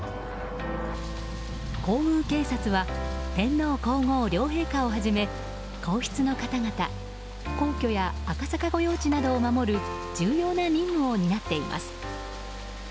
皇宮警察は天皇・皇后両陛下をはじめ皇室の方々皇居や赤坂御用地などを守る重要な任務を担っています。